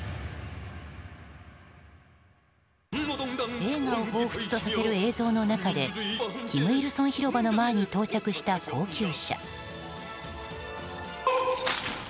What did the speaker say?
映画をほうふつとさせる映像の中で金日成広場の前に到着した高級車。